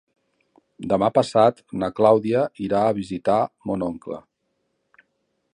Demà passat na Clàudia irà a visitar mon oncle.